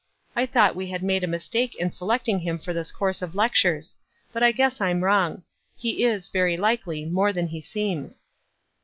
I thought we had made a mistake in selecting him for this course of lectures. But I guess I'm wrong. He is, very likely, more than he seems."